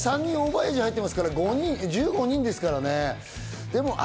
エイジ入ってますから１５人ですからね。